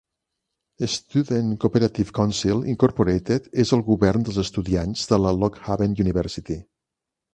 Student Cooperative Council, Incorporated és el govern dels estudiants de la Lock Haven University.